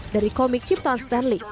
dari komik ciptaan stan lee